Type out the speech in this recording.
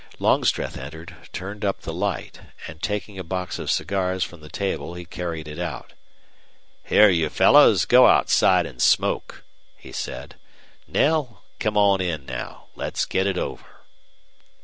Longstreth entered, turned up the light, and, taking a box of cigars from the table, he carried it out. "Here, you fellows, go outside and smoke," he said. "Knell, come on in now. Let's get it over."